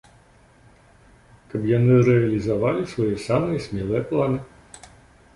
Каб яны рэалізавалі свае самыя смелыя планы.